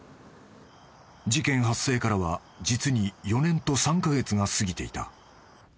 ［事件発生からは実に４年と３カ月が過ぎていた］